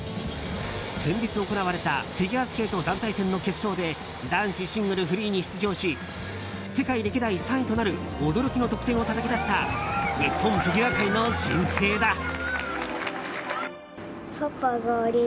先日行われたフィギュアスケート団体戦の決勝で男子シングルフリーに出場し世界歴代３位となる驚きの得点をたたき出した日本フィギュア界の新星だ。